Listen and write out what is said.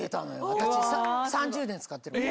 私３０年使ってるもん。